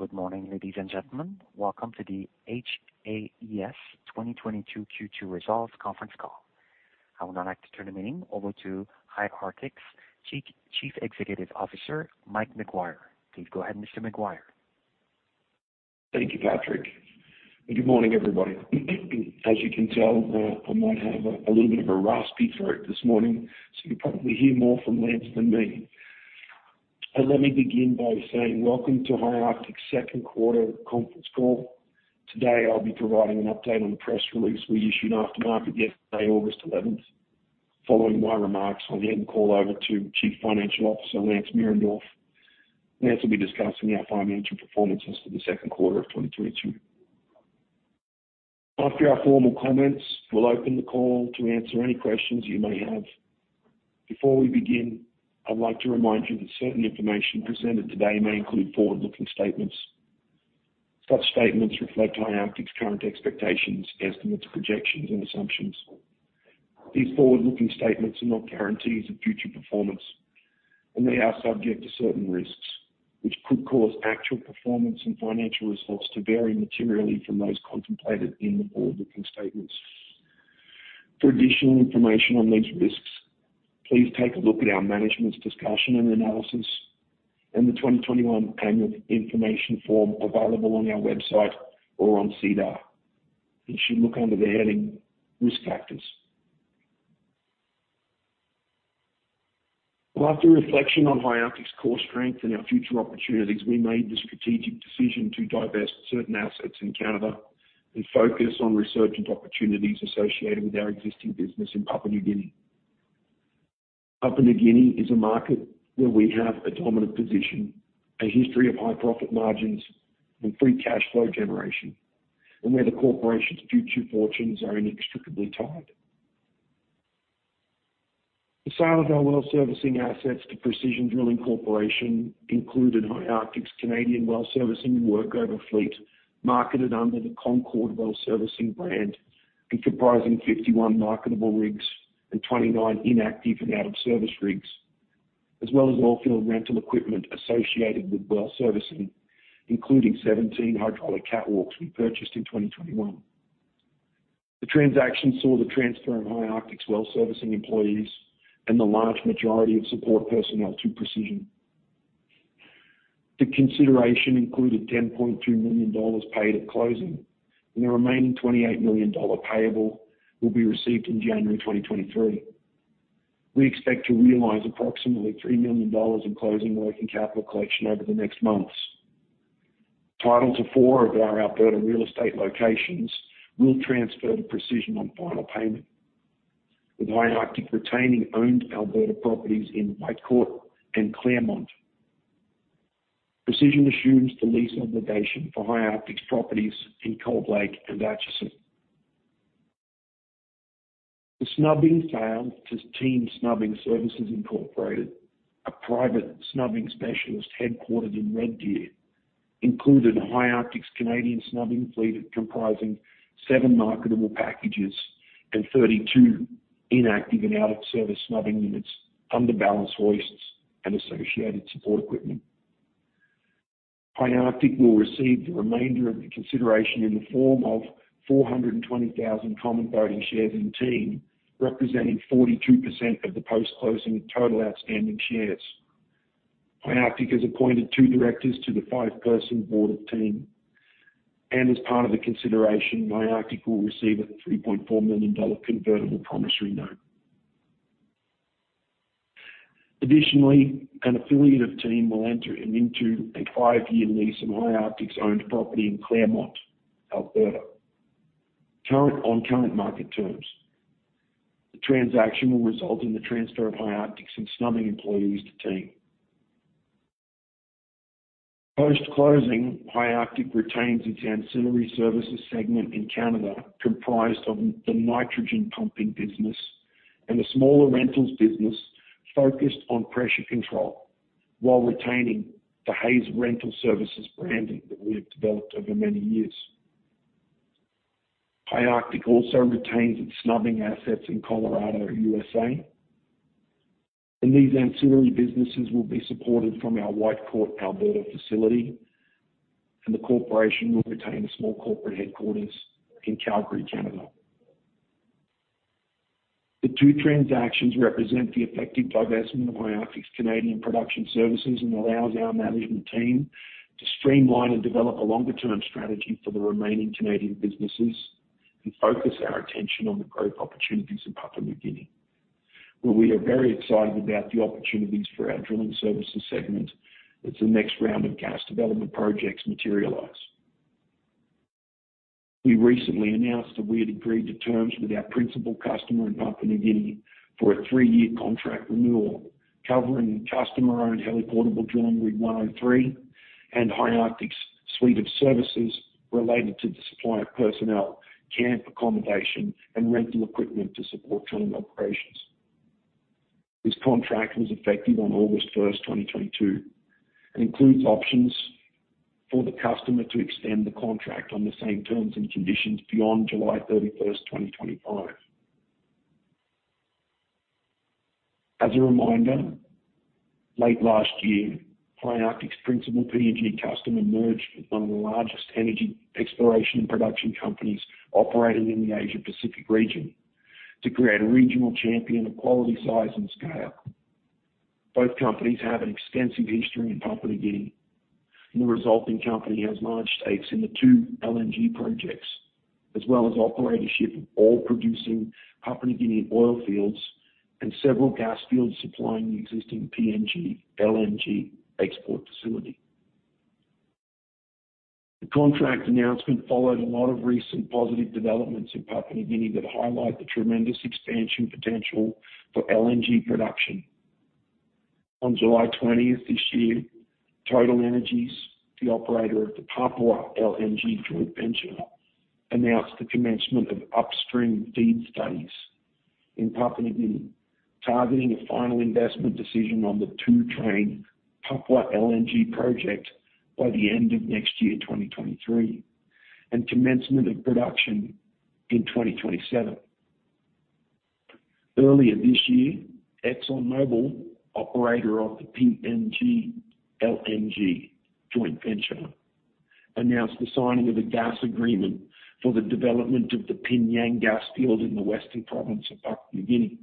Good morning, ladies and gentlemen. Welcome to the HAES 2022 Q2 Results Conference Call. I would now like to turn the meeting over to High Arctic's Chief Executive Officer, Mike Maguire. Please go ahead, Mr. Maguire. Thank you, Patrick, and good morning, everybody. As you can tell, I might have a little bit of a raspy throat this morning, so you'll probably hear more from Lance than me. Let me begin by saying welcome to High Arctic's second quarter conference call. Today, I'll be providing an update on the press release we issued after market yesterday, August 11. Following my remarks, I'll hand the call over to Chief Financial Officer Lance Mierendorf. Lance will be discussing our financial performances for the second quarter of 2022. After our formal comments, we'll open the call to answer any questions you may have. Before we begin, I'd like to remind you that certain information presented today may include forward-looking statements. Such statements reflect High Arctic's current expectations, estimates, projections, and assumptions. These forward-looking statements are not guarantees of future performance, and they are subject to certain risks, which could cause actual performance and financial results to vary materially from those contemplated in the forward-looking statements. For additional information on these risks, please take a look at our management's discussion and analysis and the 2021 annual information form available on our website or on SEDAR. You should look under the heading Risk Factors. After reflection on High Arctic's core strength and our future opportunities, we made the strategic decision to divest certain assets in Canada and focus on resurgent opportunities associated with our existing business in Papua New Guinea. Papua New Guinea is a market where we have a dominant position, a history of high profit margins and free cash flow generation, and where the corporation's future fortunes are inextricably tied. The sale of our well servicing assets to Precision Drilling Corporation included High Arctic's Canadian well servicing work over fleet, marketed under the Concord Well Servicing brand and comprising 51 marketable rigs and 29 inactive and out-of-service rigs, as well as oilfield rental equipment associated with well servicing, including 17 hydraulic catwalks we purchased in 2021. The transaction saw the transfer of High Arctic's well servicing employees and the large majority of support personnel to Precision. The consideration included 10.2 million dollars paid at closing, and the remaining 28 million dollar payable will be received in January 2023. We expect to realize approximately 3 million dollars in closing working capital collection over the next months. Title to four of our Alberta real estate locations will transfer to Precision on final payment. With High Arctic retaining owned Alberta properties in Whitecourt and Clairmont. Precision assumes the lease obligation for High Arctic's properties in Cold Lake and Acheson. The snubbing sale to Team Snubbing Services Inc., a private snubbing specialist headquartered in Red Deer, included High Arctic's Canadian snubbing fleet, comprising seven marketable packages and 32 inactive and out-of-service snubbing units under balance hoists and associated support equipment. High Arctic will receive the remainder of the consideration in the form of 420,000 common voting shares in Team, representing 42% of the post-closing total outstanding shares. High Arctic has appointed two directors to the five-person board of Team. As part of the consideration, High Arctic will receive a 3.4 million dollar convertible promissory note. Additionally, an affiliate of Team will enter into a five-year lease in High Arctic's owned property in Clairmont, Alberta. Currently, on current market terms. The transaction will result in the transfer of High Arctic's Canadian snubbing employees to Team. Post-closing, High Arctic retains its ancillary services segment in Canada, comprised of the nitrogen pumping business and the smaller rentals business focused on pressure control while retaining the HAES Rental Services branding that we have developed over many years. High Arctic also retains its snubbing assets in Colorado, USA. These ancillary businesses will be supported from our Whitecourt, Alberta facility, and the corporation will retain a small corporate headquarters in Calgary, Canada. The two transactions represent the effective divestment of High Arctic's Canadian production services and allows our management team to streamline and develop a longer-term strategy for the remaining Canadian businesses and focus our attention on the growth opportunities in Papua New Guinea, where we are very excited about the opportunities for our drilling services segment as the next round of gas development projects materialize. We recently announced that we had agreed to terms with our principal customer in Papua New Guinea for a three-year contract renewal covering the customer-owned heli-portable drilling rig 103 and High Arctic's suite of services related to the supply of personnel, camp accommodation, and rental equipment to support drilling operations. This contract was effective on August 1, 2022, and includes options for the customer to extend the contract on the same terms and conditions beyond July 31, 2025. As a reminder, late last year, High Arctic's principal PNG customer merged with one of the largest energy exploration and production companies operating in the Asia Pacific region to create a regional champion of quality, size, and scale. Both companies have an extensive history in Papua New Guinea. The resulting company has large stakes in the two LNG projects, as well as operatorship of all producing Papua New Guinea oil fields and several gas fields supplying the existing PNG LNG export facility. The contract announcement followed a lot of recent positive developments in Papua New Guinea that highlight the tremendous expansion potential for LNG production. On July twentieth this year, TotalEnergies, the operator of the Papua LNG joint venture, announced the commencement of upstream FEED studies in Papua New Guinea, targeting a final investment decision on the two-train Papua LNG project by the end of next year, 2023, and commencement of production in 2027. Earlier this year, ExxonMobil, operator of the PNG LNG joint venture, announced the signing of a gas agreement for the development of the P'nyang gas field in the Western Province of Papua New Guinea,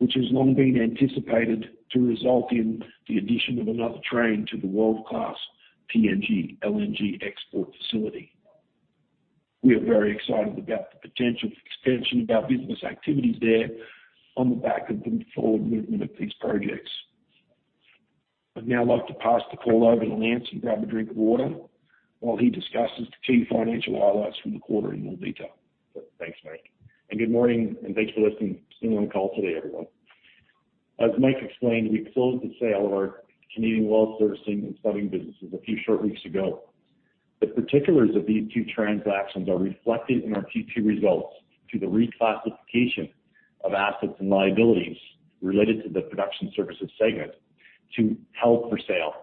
which has long been anticipated to result in the addition of another train to the world-class PNG LNG export facility. We are very excited about the potential expansion of our business activities there on the back of the forward movement of these projects. I'd now like to pass the call over to Lance and grab a drink of water while he discusses the key financial highlights from the quarter in more detail. Thanks, Mike. Good morning, and thanks for joining us on the call today, everyone. As Mike explained, we closed the sale of our Canadian well servicing and snubbing businesses a few short weeks ago. The particulars of these two transactions are reflected in our Q2 results through the reclassification of assets and liabilities related to the production services segment to held for sale.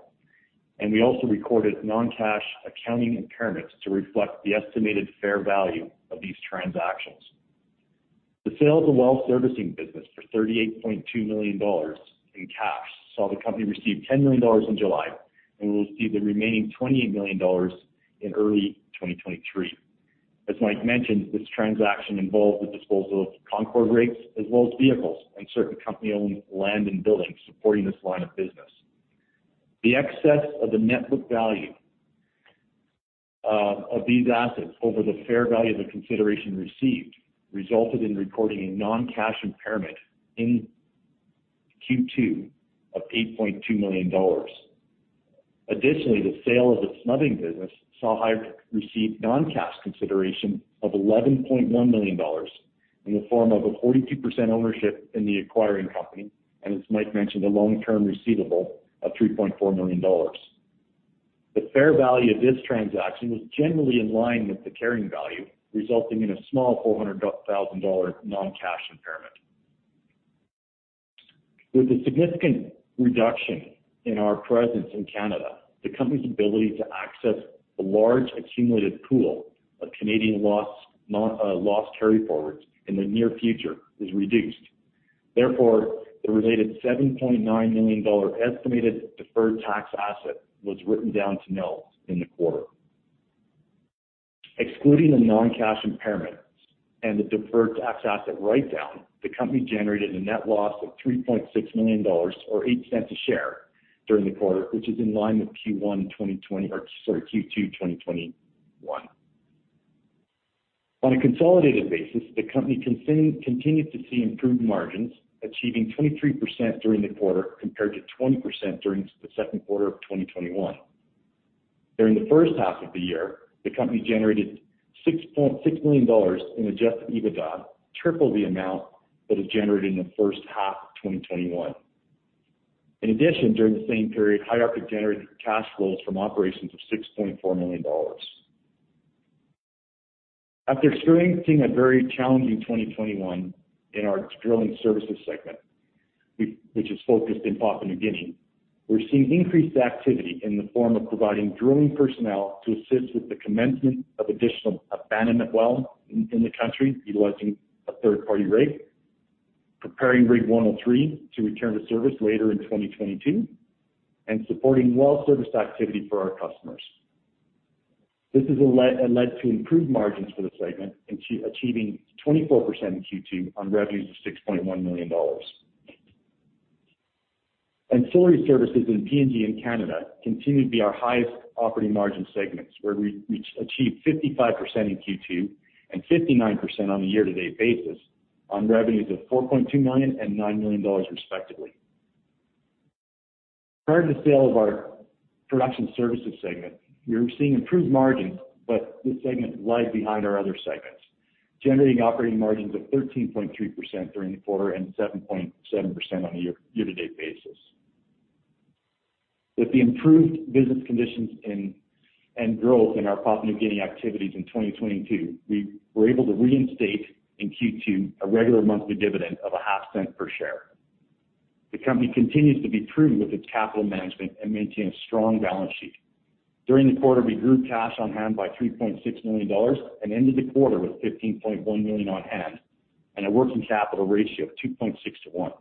We also recorded non-cash accounting impairments to reflect the estimated fair value of these transactions. The sale of the well servicing business for CAD 38.2 million in cash saw the company receive CAD 10 million in July, and we will see the remaining CAD 28 million in early 2023. As Mike mentioned, this transaction involved the disposal of Concord Well Servicing as well as vehicles and certain company-owned land and buildings supporting this line of business. The excess of the net book value of these assets over the fair value of the consideration received resulted in recording a non-cash impairment in Q2 of 8.2 million dollars. Additionally, the sale of the snubbing business saw High Arctic receive non-cash consideration of 11.1 million dollars in the form of a 42% ownership in the acquiring company, and as Mike mentioned, a long-term receivable of 3.4 million dollars. The fair value of this transaction was generally in line with the carrying value, resulting in a small 400 thousand dollar non-cash impairment. With a significant reduction in our presence in Canada, the company's ability to access a large accumulated pool of Canadian loss carryforwards in the near future is reduced. Therefore, the related 7.9 million dollar estimated deferred tax asset was written down to nil in the quarter. Excluding the non-cash impairment and the deferred tax asset write-down, the company generated a net loss of 3.6 million dollars or eight cents a share during the quarter, which is in line with Q2 2021. On a consolidated basis, the company continued to see improved margins, achieving 23% during the quarter, compared to 20% during the second quarter of 2021. During the first half of the year, the company generated 6.6 million dollars in adjusted EBITDA, triple the amount that was generated in the first half of 2021. In addition, during the same period, High Arctic generated cash flows from operations of 6.4 million dollars. After experiencing a very challenging 2021 in our drilling services segment, which is focused in Papua New Guinea, we're seeing increased activity in the form of providing drilling personnel to assist with the commencement of additional abandonment well in the country, utilizing a third-party rig, preparing Rig 103 to return to service later in 2022 and supporting well servicing activity for our customers. This has led to improved margins for the segment and achieving 24% in Q2 on revenues of 6.1 million dollars. Ancillary services in PNG and Canada continue to be our highest operating margin segments, where we achieved 55% in Q2 and 59% on a year-to-date basis on revenues of 4.2 million and 9 million dollars respectively. Prior to the sale of our production services segment, we were seeing improved margins, but this segment lagged behind our other segments, generating operating margins of 13.3% during the quarter and 7.7% on a year-to-date basis. With the improved business conditions and growth in our Papua New Guinea activities in 2022, we were able to reinstate in Q2 a regular monthly dividend of a half cent per share. The company continues to be prudent with its capital management and maintain a strong balance sheet. During the quarter, we grew cash on hand by 3.6 million dollars and ended the quarter with 15.1 million on hand and a working capital ratio of 2.6:1.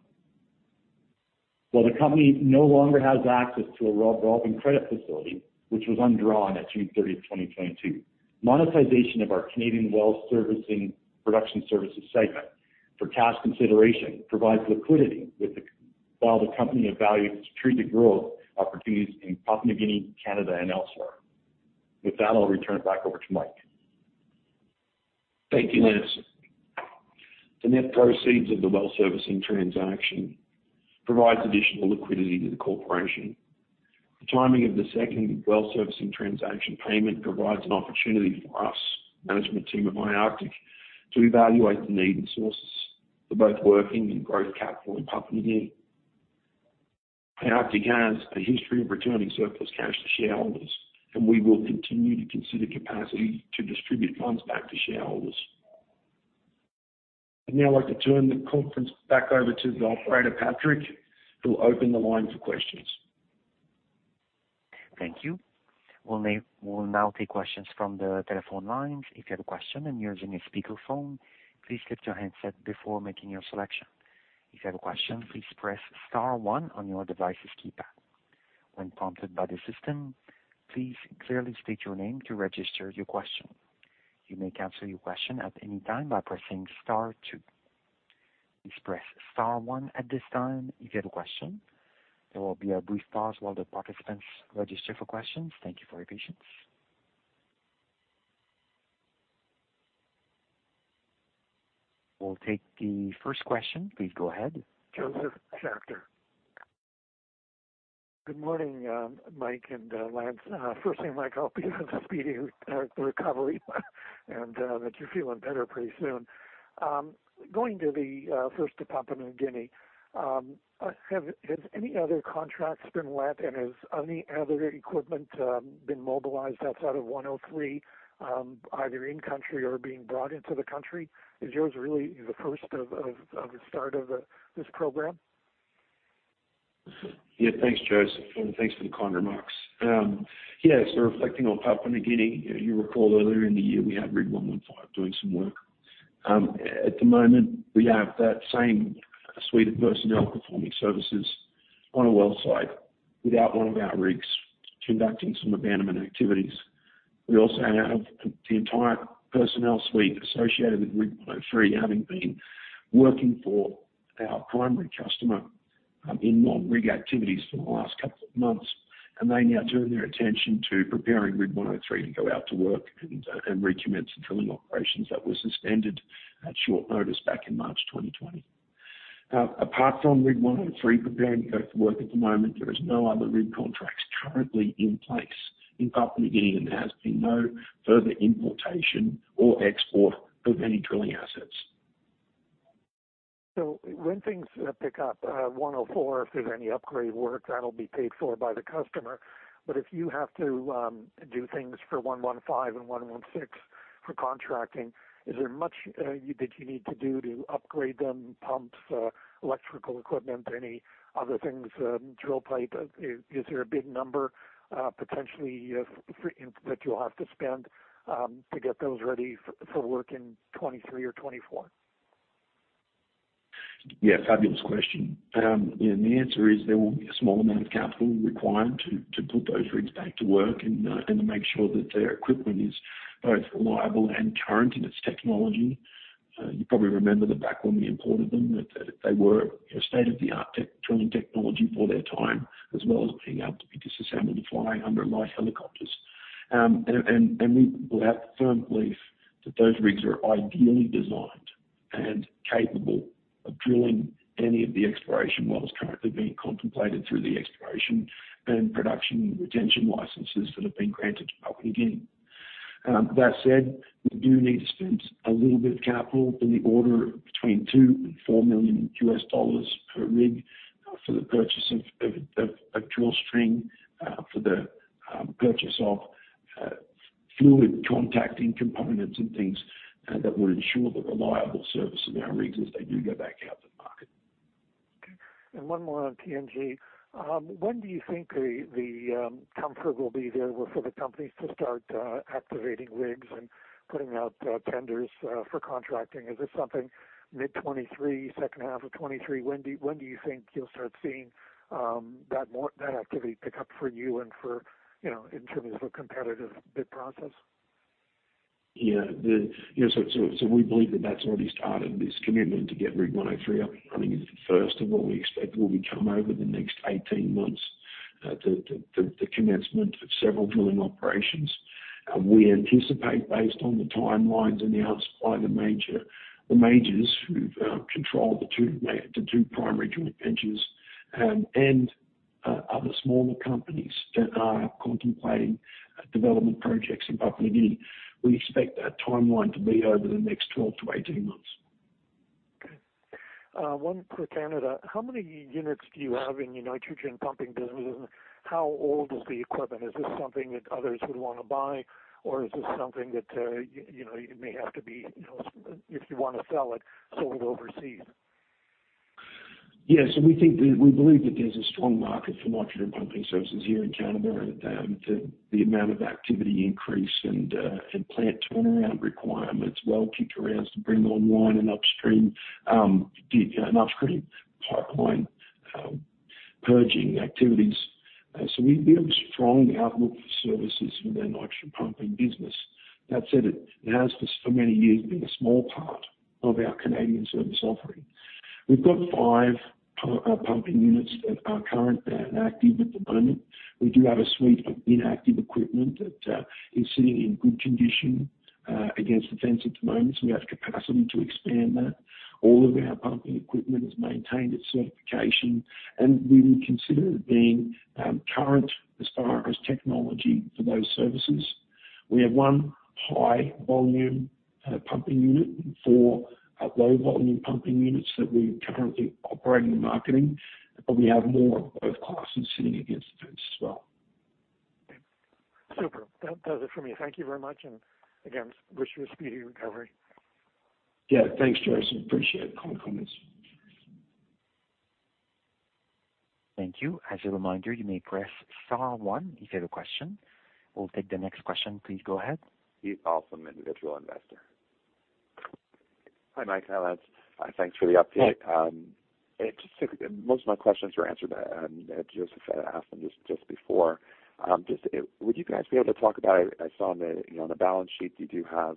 While the company no longer has access to a revolving credit facility, which was undrawn at June 30, 2022, monetization of our Canadian well servicing and production services segment for cash consideration provides liquidity while the company evaluates strategic growth opportunities in Papua New Guinea, Canada, and elsewhere. With that, I'll return it back over to Mike. Thank you, Lance. The net proceeds of the well servicing transaction provides additional liquidity to the corporation. The timing of the second well servicing transaction payment provides an opportunity for us, management team at High Arctic, to evaluate the need and sources for both working and growth capital in Papua New Guinea. High Arctic has a history of returning surplus cash to shareholders, and we will continue to consider capacity to distribute funds back to shareholders. I'd now like to turn the conference back over to the operator, Patrick, who will open the line for questions. Thank you. We'll now take questions from the telephone lines. If you have a question and you're using a speakerphone, please pick up your handset before making your selection. If you have a question, please press star one on your device's keypad. When prompted by the system, please clearly state your name to register your question. You may cancel your question at any time by pressing star two. Please press star one at this time if you have a question. There will be a brief pause while the participants register for questions. Thank you for your patience. We'll take the first question. Please go ahead. Josef Schachter. Good morning, Mike and Lance. First thing, Mike, I wish you a speedy recovery and that you're feeling better pretty soon. Going first to Papua New Guinea, has any other contracts been let, and has any other equipment been mobilized outside of 103, either in-country or being brought into the country? Is yours really the first of the start of this program? Yeah. Thanks, Josef, and thanks for the kind remarks. Yes, reflecting on Papua New Guinea, you recall earlier in the year, we had rig 115 doing some work. At the moment, we have that same suite of personnel performing services on a well site with one of our rigs conducting some abandonment activities. We also have the entire personnel suite associated with rig 103, having been working for our primary customer in non-rig activities for the last couple of months, and they now turn their attention to preparing rig 103 to go out to work and recommence the drilling operations that were suspended at short notice back in March 2020. Now, apart from Rig 103 preparing to go to work at the moment, there is no other rig contracts currently in place in Papua New Guinea, and there has been no further importation or export of any drilling assets. When things pick up 104, if there's any upgrade work, that'll be paid for by the customer. If you have to do things for 115 and 116 for contracting, is there much that you need to do to upgrade them, pumps, electrical equipment, any other things, drill pipe? Is there a big number potentially of, for instance, that you'll have to spend to get those ready for work in 2023 or 2024? Yeah. Fabulous question. The answer is there will be a small amount of capital required to put those rigs back to work and to make sure that their equipment is both reliable and current in its technology. You probably remember that back when we imported them they were a state-of-the-art drilling technology for their time, as well as being able to be disassembled and fly under light helicopters. We will have the firm belief that those rigs are ideally designed and capable of drilling any of the exploration wells currently being contemplated through the exploration and production retention licenses that have been granted to Papua New Guinea. That said, we do need to spend a little bit of capital in the order of between $2 million-$4 million per rig for the purchase of a drill string for the purchase of fluid-contacting components and things that would ensure the reliable service of our rigs as they do go back out to the market. Okay. One more on PNG. When do you think the comfort will be there for the companies to start activating rigs and putting out tenders for contracting? Is this something mid-2023, second half of 2023? When do you think you'll start seeing that activity pick up for you and, you know, in terms of a competitive bid process? Yeah. You know, we believe that that's already started. This commitment to get Rig 103 up and running is the first of what we expect will become over the next 18 months, the commencement of several drilling operations. We anticipate based on the timelines and the outward supply to the majors who control the two primary joint ventures and other smaller companies that are contemplating development projects in Papua New Guinea. We expect that timeline to be over the next 12 to 18 months. Okay. One for Canada. How many units do you have in your nitrogen pumping business, and how old is the equipment? Is this something that others would wanna buy, or is this something that you know, you may have to be, you know, if you wanna sell it, sold overseas? Yeah. We believe that there's a strong market for nitrogen pumping services here in Canada. The amount of activity increase and plant turnaround requirements, well kicks to bring online and upstream, you know, an upstream pipeline purging activities. We have a strong outlook for services within the nitrogen pumping business. That said, it has for so many years been a small part of our Canadian service offering. We've got five pumping units that are current and active at the moment. We do have a suite of inactive equipment that is sitting in good condition against the fence at the moment, so we have capacity to expand that. All of our pumping equipment has maintained its certification, and we would consider it being current as far as technology for those services. We have one high volume pumping unit and four low volume pumping units that we're currently operating and marketing, but we have more of both classes sitting against the fence as well. Super. That does it for me. Thank you very much, and again, wish you a speedy recovery. Yeah. Thanks, Josef. Appreciate the call and comments. Thank you. As a reminder, you may press star one if you have a question. We'll take the next question. Please go ahead. Steve Lambert, Individual Investor. Hi, Mike, hi Lance. Thanks for the update. Most of my questions were answered by, as Josef asked them just before. Just, would you guys be able to talk about, I saw on the, you know, on the balance sheet you do have,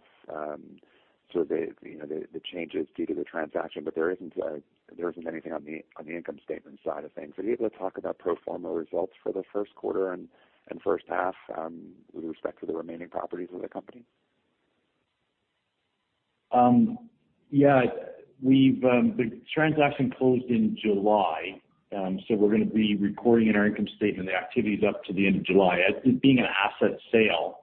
sort of the, you know, the changes due to the transaction, but there isn't anything on the, on the income statement side of things. Are you able to talk about pro forma results for the first quarter and first half, with respect to the remaining properties of the company? The transaction closed in July, so we're gonna be recording in our income statement the activities up to the end of July. As it being an asset sale,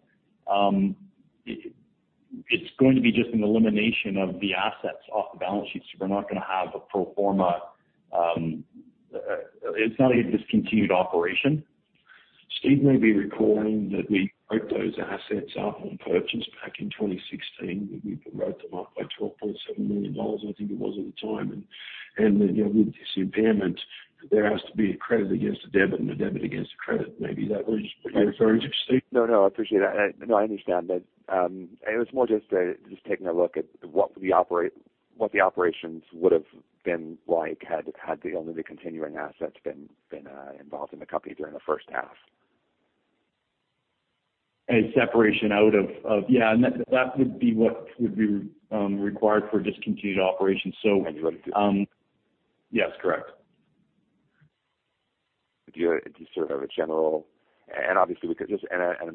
it's going to be just an elimination of the assets off the balance sheet. We're not gonna have a pro forma, it's not a discontinued operation. Steve, may be recalling that we wrote those assets up on purchase back in 2016. We wrote them up by 12.7 million dollars, I think it was at the time. You know, with this impairment, there has to be a credit against the debit and a debit against the credit. Maybe that would be very interesting, Steve. No, no. I appreciate that. No, I understand that. It was more just taking a look at what the operations would have been like had the only continuing assets been involved in the company during the first half. Yeah. That would be what would be required for discontinued operations. That's right. Yes. Correct. I'm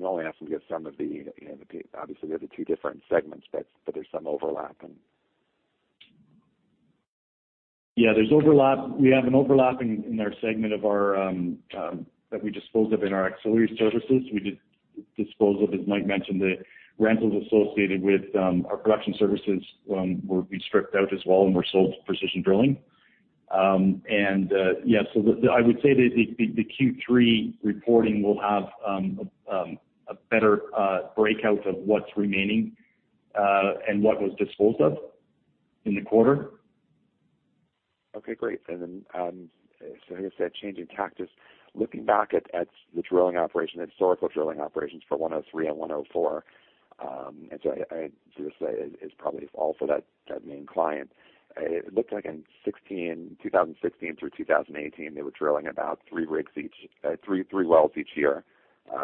only asking because some of the, you know, the, obviously, we have the two different segments, but there's some overlap. Yeah, there's overlap. We have an overlap in our segment that we disposed of in our ancillary services. We disposed of, as Mike mentioned, the rentals associated with our production services we stripped out as well and were sold to Precision Drilling. Yeah. I would say that the Q3 reporting will have a better breakout of what's remaining and what was disposed of in the quarter. Okay. Great. I guess that change in tactics, looking back at the drilling operations for 103 and 104, I just say is probably also that main client. It looked like in 2016 through 2018, they were drilling about three rigs each, three wells each year,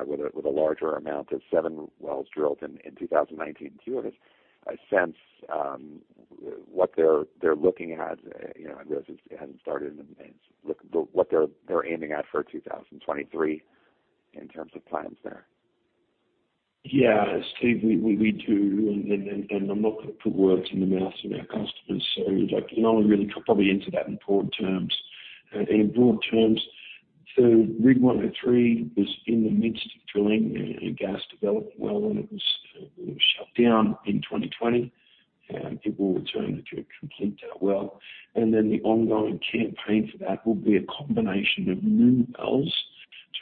with a larger amount of seven wells drilled in 2019. Do you have a sense what they're looking at? You know, I realize it hasn't started, but what they're aiming at for 2023 in terms of plans there? Yeah. Steve, we do, and I'm not gonna put words in the mouths of our customers. Like, you know, we really probably answer that in broad terms. In broad terms, Rig 103 was in the midst of drilling a gas development well when it was shut down in 2020. It will return to complete that well. The ongoing campaign for that will be a combination of new wells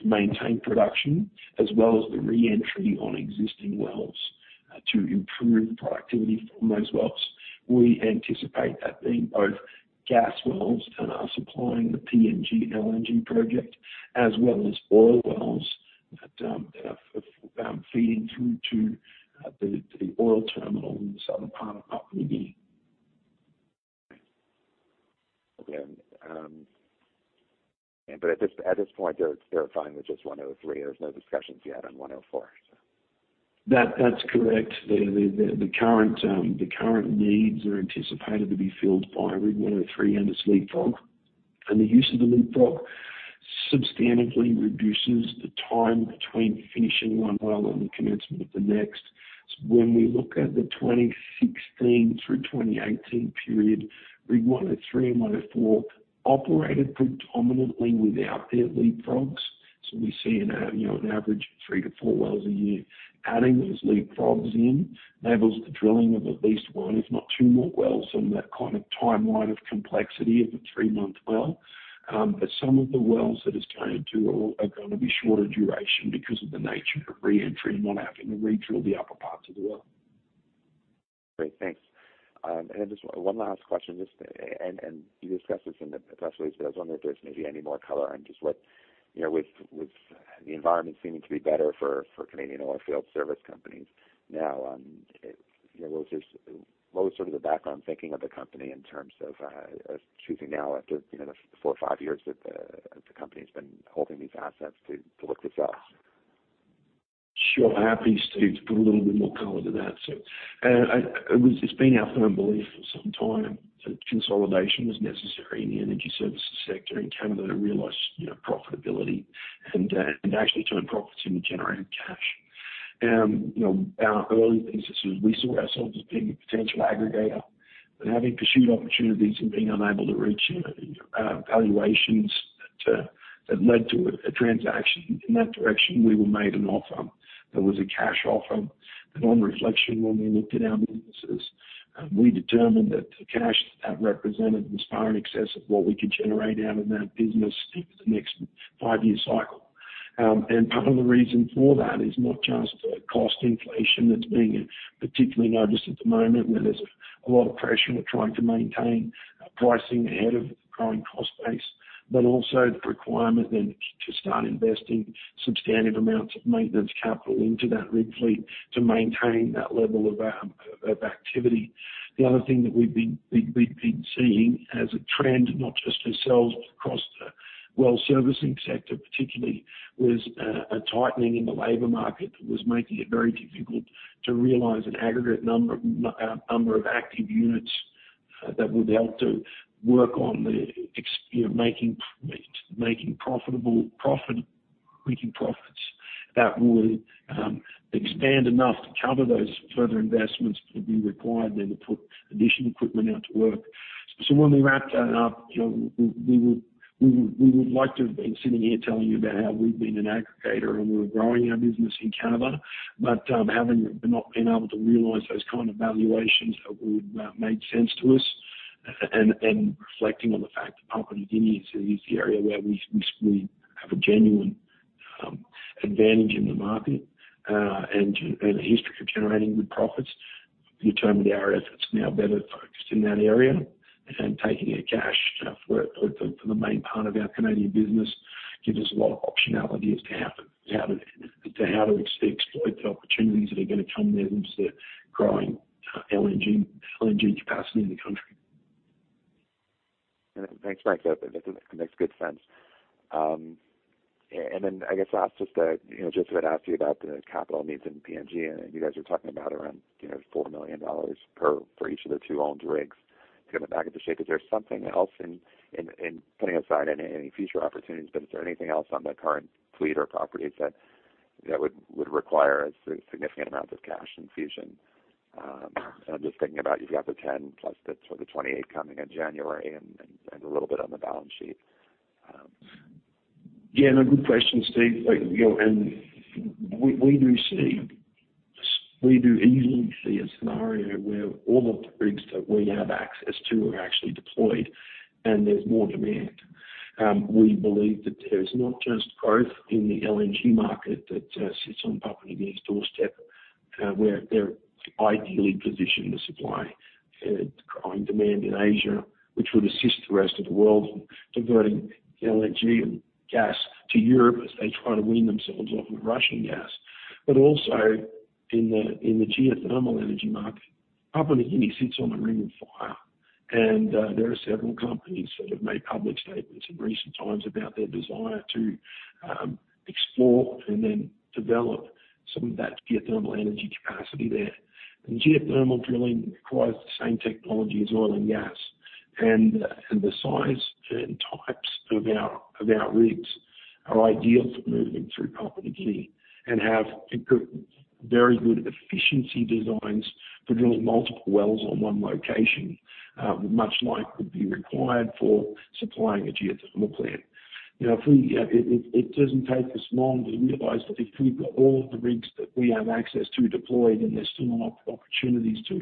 to maintain production as well as the re-entry on existing wells to improve the productivity from those wells. We anticipate that being both gas wells that are supplying the PNG LNG project as well as oil wells that are feeding through to the oil terminal in the southern part of Property B. At this point, they're fine with just 103. There's no discussions yet on 104. That's correct. The current needs are anticipated to be filled by Rig 103 and its leapfrog. The use of the leapfrog substantially reduces the time between finishing one well and the commencement of the next. When we look at the 2016 through 2018 period, Rig 103 and Rig 104 operated predominantly without their leapfrogs. We see, you know, an average three to four wells a year. Adding those leapfrogs in enables the drilling of at least one, if not two more wells on that kind of timeline of complexity of a 3-month well. Some of the wells that it's going to are gonna be shorter duration because of the nature of re-entry and not having to redrill the upper parts of the well. Great. Thanks. Just one last question, and you discussed this in the press release, but I was wondering if there's maybe any more color on just what, you know, with the environment seeming to be better for Canadian oilfield service companies now, you know, what was sort of the background thinking of the company in terms of choosing now after, you know, the four or five years that the company's been holding these assets to look for sales? Sure. Happy, Steve, to put a little bit more color to that. It's been our firm belief for some time that consolidation was necessary in the energy services sector in Canada to realize, you know, profitability and actually turn profits into generating cash. Our early thesis was we saw ourselves as being a potential aggregator. Having pursued opportunities and being unable to reach, you know, valuations that led to a transaction in that direction, we were made an offer. There was a cash offer. On reflection, when we looked at our businesses, we determined that the cash that that represented was far in excess of what we could generate out of that business over the next five-year cycle. Part of the reason for that is not just cost inflation that's being particularly noticed at the moment, where there's a lot of pressure. We're trying to maintain pricing ahead of the growing cost base, but also the requirement then to start investing substantive amounts of maintenance capital into that rig fleet to maintain that level of activity. The other thing that we've been seeing as a trend, not just ourselves, but across the well servicing sector particularly, was a tightening in the labor market that was making it very difficult to realize an aggregate number of active units that would be able to work on the ex. You know, making profit, making profitable, profit, reaping profits that would expand enough to cover those further investments that would be required then to put additional equipment out to work. When we wrap that up, you know, we would like to have been sitting here telling you about how we've been an aggregator and we're growing our business in Canada. Having not been able to realize those kind of valuations that would made sense to us and reflecting on the fact that Papua New Guinea is the area where we have a genuine advantage in the market and a history of generating good profits, we determined our efforts are now better focused in that area. Taking our cash for the main part of our Canadian business gives us a lot of optionality as to how to exploit the opportunities that are gonna come there with the growing LNG capacity in the country. Thanks, Mike. That makes good sense. I guess I'll ask just, you know, Josef had asked you about the capital needs in PNG, and you guys are talking about around, you know, $4 million for each of the two owned rigs to get them back into shape. Is there something else in putting aside any future opportunities, but is there anything else on the current fleet or properties that would require a significant amount of cash infusion? I'm just thinking about you've got the 10, plus the sort of 28 coming in January and a little bit on the balance sheet. Yeah, no, good question, Steve. Like, you know, we do easily see a scenario where all of the rigs that we have access to are actually deployed and there's more demand. We believe that there is not just growth in the LNG market that sits on Papua New Guinea's doorstep, where they're ideally positioned to supply growing demand in Asia, which would assist the rest of the world in diverting LNG and gas to Europe as they try to wean themselves off of Russian gas. Also in the geothermal energy market, Papua New Guinea sits on a Ring of Fire. There are several companies that have made public statements in recent times about their desire to explore and then develop some of that geothermal energy capacity there. Geothermal drilling requires the same technology as oil and gas. The size and types of our rigs are ideal for moving through Papua New Guinea and have good, very good efficiency designs for drilling multiple wells on one location, much like would be required for supplying a geothermal plant. You know, it doesn't take us long to realize that if we've got all of the rigs that we have access to deployed, and there's still opportunities to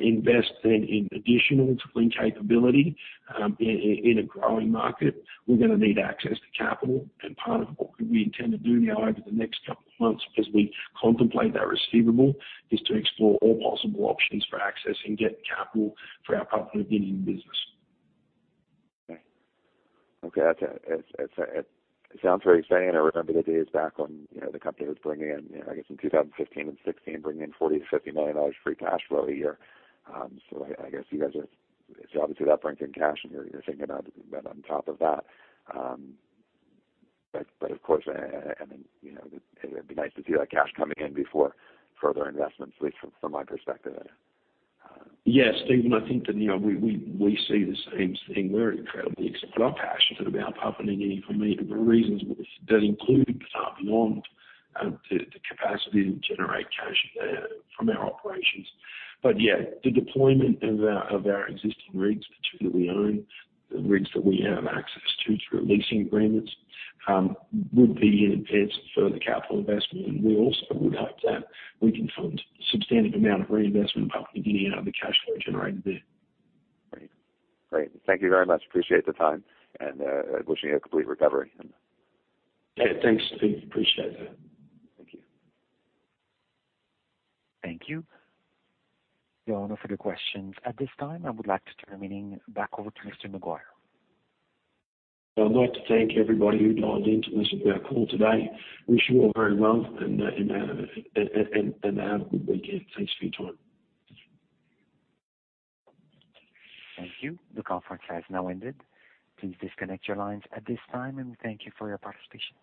invest then in additional drilling capability, in a growing market, we're gonna need access to capital. Part of what we intend to do now over the next couple of months, as we contemplate that receivable, is to explore all possible options for accessing, getting capital for our Papua New Guinea business. Okay. That's, it sounds very exciting. I remember the days back when, you know, the company was bringing in, you know, I guess in 2015 and 2016, bringing in 40 million-50 million dollars free cash flow a year. Obviously that brings in cash and you're thinking about on top of that. Of course, and, you know, it'd be nice to see that cash coming in before further investments, at least from my perspective. Yeah, Steve, I think that we see the same thing. We're incredibly excited. I'm passionate about Papua New Guinea for many reasons that include but aren't beyond the capacity to generate cash from our operations. Yeah, the deployment of our existing rigs, the two that we own, the rigs that we have access to through leasing agreements, would be enhanced with further capital investment. We also would hope that we can fund a substantive amount of reinvestment in Papua New Guinea out of the cash flow generated there. Great. Thank you very much. Appreciate the time, wishing you a complete recovery. Yeah, thanks, Steve. Appreciate that. Thank you. Thank you. There are no further questions at this time. I would like to turn the meeting back over to Mr. Maguire. I'd like to thank everybody who dialed in to listen to our call today. Wish you all very well and have a good weekend. Thanks for your time. Thank you. The conference has now ended. Please disconnect your lines at this time, and we thank you for your participation.